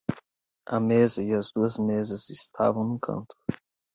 A mesa e as duas mesas estavam no canto.